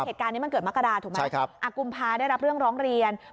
เหตุการณ์นี้มันเกิดมกราถูกไหมกุมภาได้รับเรื่องร้องเรียน